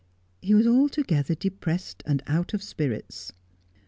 He was altogether de pressed and out of spirits.